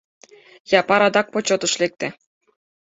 Япар адак почётыш лекте.